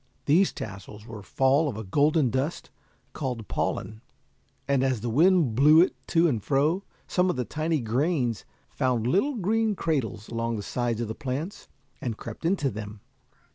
These tassels were fall of a golden dust called pollen, and as the wind blew it to and fro, some of the tiny grains found little green cradles along the sides of the plants, and crept into them.